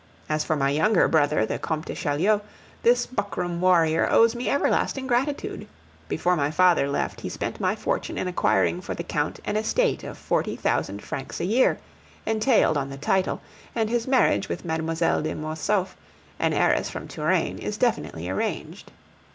As for my younger brother, The Comte de Chaulieu, this buckram warrior owes me everlasting gratitude. Before my father left, he spent my fortune in acquiring for the Count an estate of forty thousand francs a year, entailed on the title, and his marriage with Mlle. de Mortsauf, an heiress from Touraine, is definitely arranged.